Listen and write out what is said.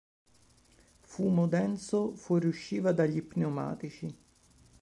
Fumo denso fuoriusciva dagli pneumatici.